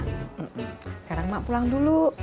sekarang mak pulang dulu